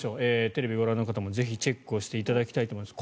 テレビをご覧の方もぜひチェックしていただきたいと思います。